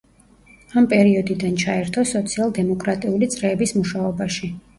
ამ პერიოდიდან ჩაერთო სოციალ-დემოკრატიული წრეების მუშაობაში.